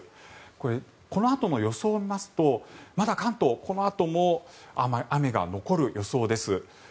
これ、このあとの予想を見ますとまだ関東、このあとも雨が残る予想です。